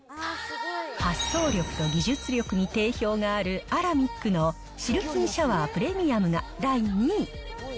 発想力と技術力に定評のあるアラミックのシルキンシャワー・プレミアムが第２位。